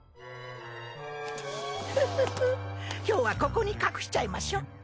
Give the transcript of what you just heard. フフフ今日はここに隠しちゃいましょう。